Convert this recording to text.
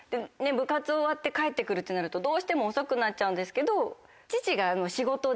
部活終わって帰って来るってなるとどうしても遅くなっちゃうんですけど。